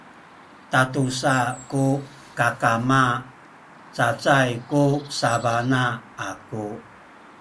tatusa ku kakama cacay ku sabana aku